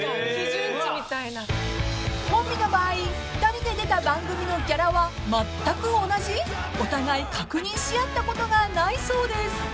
［コンビの場合２人で出た番組のギャラはまったく同じ？お互い確認し合ったことがないそうです］